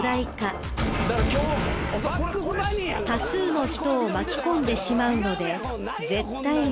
［多数の人を巻き込んでしまうので絶対に］